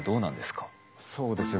そうですね。